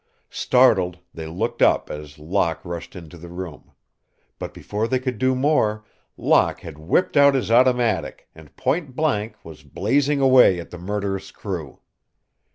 Startled, they looked up as Locke rushed into the room. But before they could do more, Locke had whipped out his automatic and, point blank, was blazing away at the murderous crew.